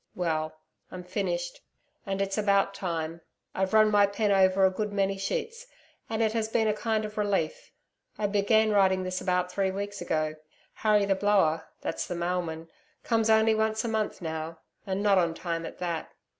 Well, I'm finished; and it's about time. I've run my pen over a good many sheets, and it has been a kind of relief I began writing this about three weeks ago. Harry the Blower that's the mailman comes only once a month now, and not on time at that.